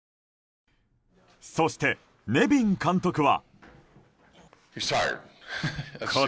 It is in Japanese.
そして、ネビン監督は。